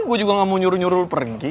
gua juga gak mau nyuruh nyuruh lo pergi